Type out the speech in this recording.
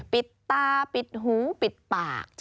ปิดตาปิดหูปิดปาก